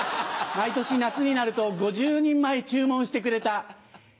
「毎年夏になると５０人前注文してくれた。